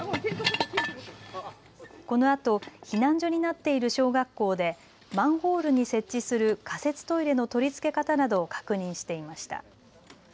このあと避難所になっている小学校でマンホールに設置する仮設トイレの取り付け方などを確認していました。